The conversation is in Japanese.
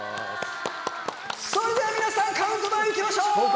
それでは皆さん、カウントダウン行きましょう！